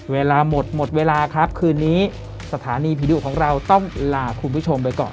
เวลาหมดหมดเวลาครับคืนนี้สถานีผีดุของเราต้องลาคุณผู้ชมไปก่อน